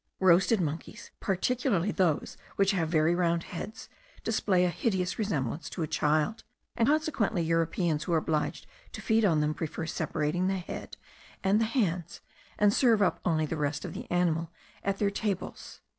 Roasted monkeys, particularly those which have very round heads, display a hideous resemblance to a child; and consequently Europeans who are obliged to feed on them prefer separating the head and the hands, and serve up only the rest of the animal at their tables.